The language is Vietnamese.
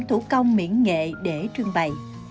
thủ công miễn nghệ để trưng bày